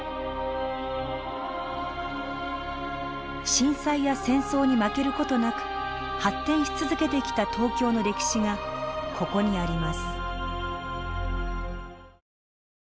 震災や戦争に負ける事なく発展し続けてきた東京の歴史がここにあります。